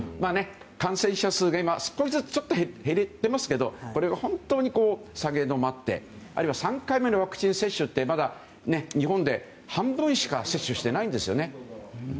感染者数が今、少しずつ減っていますけどこれが本当に下げ止まってあるいは３回目のワクチン接種はまだ日本で半分しか接種してないんですよね。